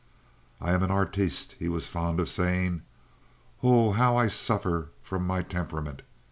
"I am an arteest," he was fond of saying. "Ho, how I suffer from my temperament!"